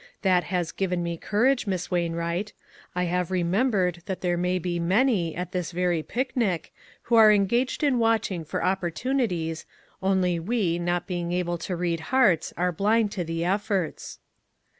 That has given me courage, Miss Wainwright. I have remem bered that there may be many, at this very picnic, who are engaged in watching for opportunies, only we, not being able to read hearts, are blind to the efforts."